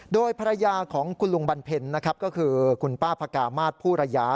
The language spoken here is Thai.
โดยภรรยาของคุณลุงบันเพ็ญนะครับก็คือคุณป้าพกามาศผู้ระยะ